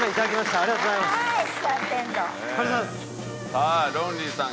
さあロンリーさん